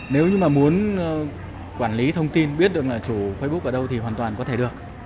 nếu như muốn quản lý thông tin biết được chủ facebook ở đâu thì hoàn toàn có thể được